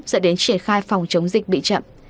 dẫn đến triển khai phòng chống dịch bị chậm